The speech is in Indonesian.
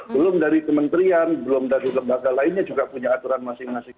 belum dari kementerian belum dari lembaga lainnya juga punya aturan masing masing